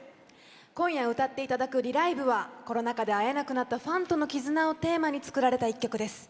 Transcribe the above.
今夜歌っていただく「Ｒｅ：ＬＩＶＥ」はコロナ禍で会えなくなったファンとの絆をテーマに作られた曲です。